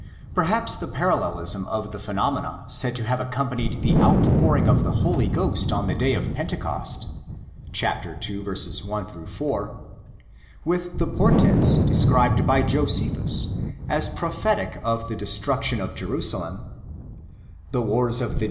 Perhaps the parallelism of the phenomena said to have accompanied the out pouring of the Holy Ghost on the day of Pentecost (ii. 1 4) with the portents described by Josephus as prophetic of the destruction of Jerusalem (B. J.